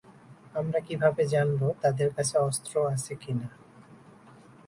আমরা কিভাবে জানবো তাদের কাছে অস্ত্র আছে কিনা?